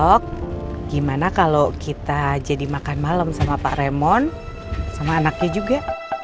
dok gimana kalau kita jadi makan malam sama pak remon sama anaknya juga